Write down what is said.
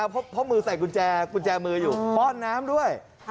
เพราะมือใส่กุญแจมืออยู่ป้อนน้ำด้วย